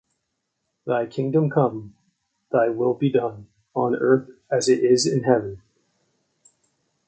thy kingdom come; thy will be done on earth as it is in heaven.